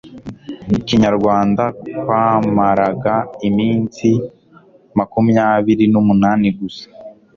kinyarwanda kwamaraga iminsi makumyabiri n'umunani gusa